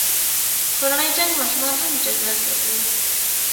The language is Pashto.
کورنی جنګ ماشومان هم جګړه زده کوي.